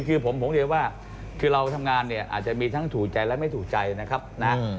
คือผมเรียนว่าคือเราทำงานเนี่ยอาจจะมีทั้งถูกใจและไม่ถูกใจนะครับนะ